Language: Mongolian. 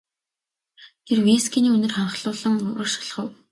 Тэр вискиний үнэр ханхлуулан урагш алхав.